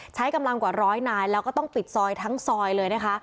ใช้กำลังกว่าร้อยนายแล้วก็ต้องปิดซอยทั้งซอยเลยนะคะ